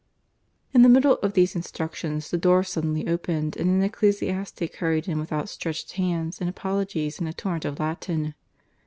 In the middle of these instructions, the door suddenly opened, and an ecclesiastic hurried in with outstretched hands, and apologies in a torrent of Latin.